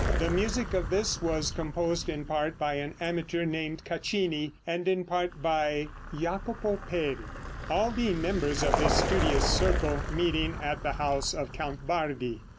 The music of this was composed in part by an amateur named Caccini, and in part by Jacopo Peri, all being members of this studious circle meeting at the house of Count Bardi.